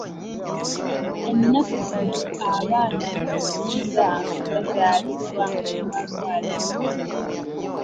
Ennaku zino abaana abasinga bazaalibwa mu malwariro.